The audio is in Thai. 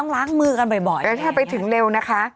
แล้วถ้าไปถึงเร็วนะคะ